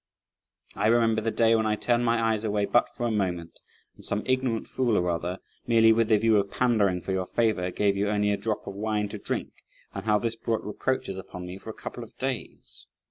I remember the day when I turned my eyes away but for a moment, and some ignorant fool or other, merely with the view of pandering for your favour, gave you only a drop of wine to drink, and how this brought reproaches upon me for a couple of days.